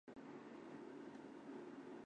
要安抚她的心情